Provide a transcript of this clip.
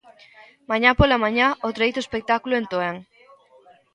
Mañá pola mañá o treito espectáculo en Toén.